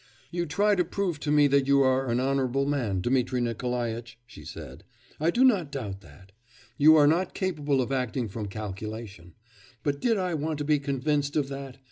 'You try to prove to me that you are an honourable man, Dmitri Nikolaitch,' she said. 'I do not doubt that. You are not capable of acting from calculation; but did I want to be convinced of that?